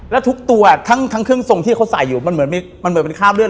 แล้วทุกตัวทั้งเครื่องทรงที่เขาใส่อยู่มันเหมือนมันเหมือนเป็นคราบเลือด